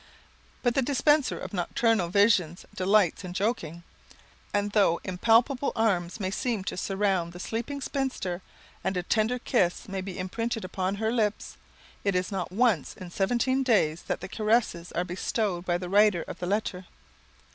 But the dispenser of nocturnal visions delights in joking, and though impalpable arms may seem to surround the sleeping spinster and a tender kiss may be imprinted upon her lips, it is not once in seventeen days that the caresses are bestowed by the writer of the letter.